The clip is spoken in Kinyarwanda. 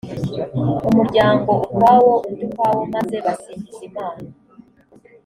umuryango ukwawo, undi ukwawo maze basingiza imana